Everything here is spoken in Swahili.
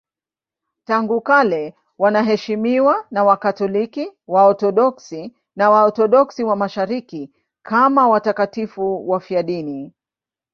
Tangu kale wanaheshimiwa na Wakatoliki, Waorthodoksi na Waorthodoksi wa Mashariki kama watakatifu wafiadini.